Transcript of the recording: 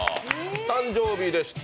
誕生日でした。